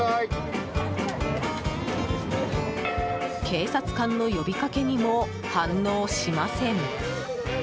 警察官の呼びかけにも反応しません。